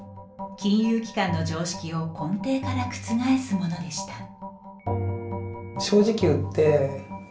金融機関の常識を根底から覆すものでした。